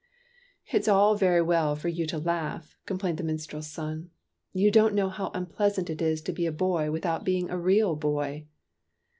"It is all very well for you to laugh," com plained the minstrel's son. " You don't know how unpleasant it is to be a boy without being a real boy."